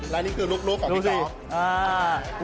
แล้วนี่คือลูกของพี่ก๊อฟ